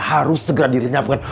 harus segera dirinyamkan